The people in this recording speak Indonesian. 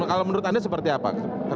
kalau menurut anda seperti apa